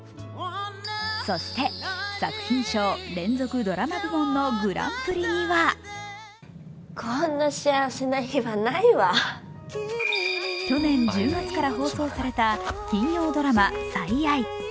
そして作品賞連続ドラマ部門のグランプリには去年１０月から放送された金曜ドラマ「最愛」。